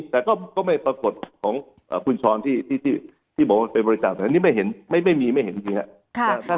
แต่ก็ไม่ปรากฏของคุณชรที่บอกว่าเป็นบริจาคแต่อันนี้ไม่เห็นไม่มีไม่เห็นจริงครับ